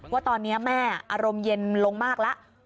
ว่าตอนนี้แม่อารมณ์เย็นลงมากแล้ว